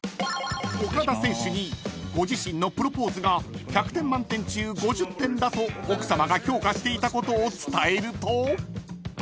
［オカダ選手にご自身のプロポーズが１００点満点中５０点だと奥さまが評価していたことを伝えると］